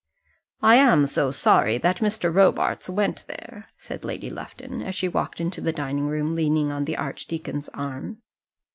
"I was so sorry that Mr. Robarts went there," said Lady Lufton, as she walked into the dining room leaning on the archdeacon's arm.